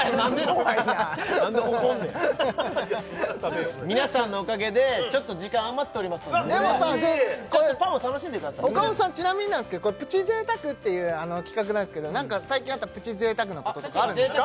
怖いな何で怒んねん皆さんのおかげでちょっと時間余っておりますでもさちょっとパンを楽しんでください岡本さんちなみにプチ贅沢っていう企画なんですけど何か最近あったプチ贅沢なこととかあるんですか